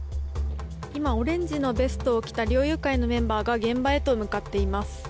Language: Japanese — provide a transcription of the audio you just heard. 今オレンジのベストを着た猟友会のメンバーが現場へと向かっています。